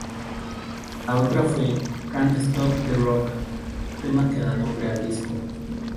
La otra fue "Can't Stop the Rock", tema que da nombre al disco.